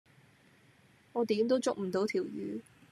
我點都捉唔到條魚